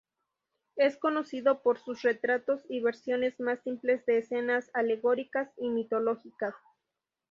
Es conocido por sus retratos y versiones más simples de escenas alegóricas y mitológicas.